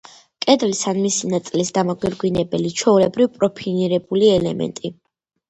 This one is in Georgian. კედლის ან მისი ნაწილის დამაგვირგვინებელი, ჩვეულებრივ, პროფილირებული ელემენტი.